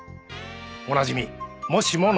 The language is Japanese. おなじみもしもの